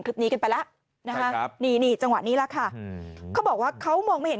คลิปนี้กันไปแล้วจังหวะนี้แล้วค่ะเขาบอกว่าเค้ามองไม่เห็น